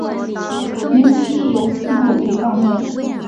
灵犀有四座陪葬墓。